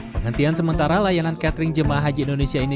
penghentian sementara layanan catering jemaah haji indonesia ini